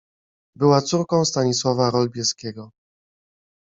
Była córką Stanisława Rolbieskiego.